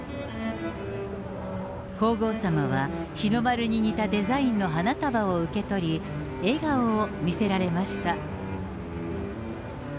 皇后さまは日の丸に似たデザインの花束を受け取り、笑顔を見せられました。